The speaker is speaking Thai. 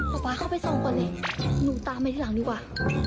ป๊าป๊าเข้าไปซองก่อนเลยหนูตามไปที่หลังดีกว่า